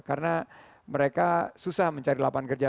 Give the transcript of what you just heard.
karena mereka susah mencari lapangan kerja